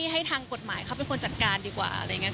ให้ทางกฎหมายเขาเป็นคนจัดการดีกว่าอะไรอย่างนี้